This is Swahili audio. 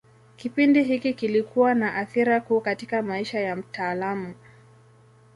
Kipindi hiki kilikuwa na athira kuu katika maisha ya mtaalamu.